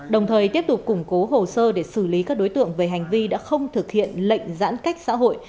đồng thời tiếp tục củng cố hồ sơ để xử lý các đối tượng về hành vi đã không thực hiện lệnh giãn cách xã hội